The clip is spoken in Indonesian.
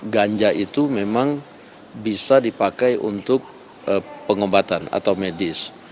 ganja itu memang bisa dipakai untuk pengobatan atau medis